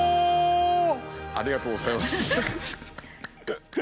ありがとうございます。